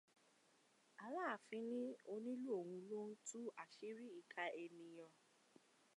Aláàfin ní onílù òun ló ń tú àṣírí ìkà ènìyàn.